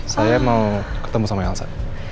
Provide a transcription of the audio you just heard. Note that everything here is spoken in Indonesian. saya mau ketemu sama elsa